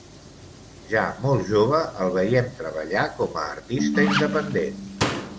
Ja molt jove, el veiem treballar com a artista independent.